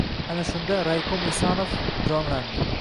Ana shunda, raykom Esonov jonlandi.